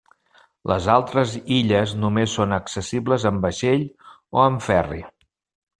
Les altres illes només són accessibles en vaixell o en ferri.